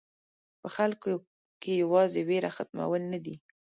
په خلکو کې یوازې وېره ختمول نه دي.